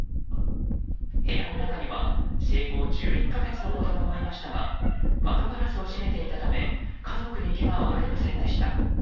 部屋の中には生後１１か月の子供もいましたが窓ガラスを閉めていたため家族に、けがはありませんでした。